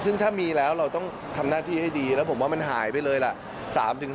ซึ่งถ้ามีแล้วเราต้องทำหน้าที่ให้ดีแล้วผมว่ามันหายไปเลยล่ะ